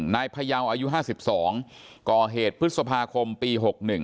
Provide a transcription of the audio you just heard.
พยาวอายุ๕๒ก่อเหตุพฤษภาคมปี๖๑